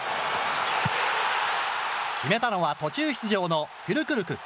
決めたのは途中出場のフュルクルク。